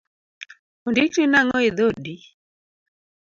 Ondikni nang’o edhodi?